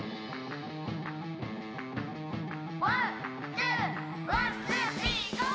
「ワンツーワンツースリーＧＯ！」